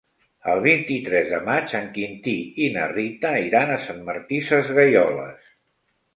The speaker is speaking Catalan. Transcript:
El vint-i-tres de maig en Quintí i na Rita iran a Sant Martí Sesgueioles.